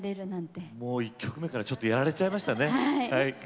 もう１曲目からちょっとやられちゃいましたね。